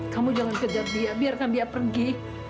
kamu jangan kejar dia biarkan dia pergi